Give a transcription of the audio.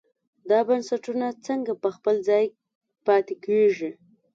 دا بنسټونه څنګه په خپل ځای پاتې کېږي.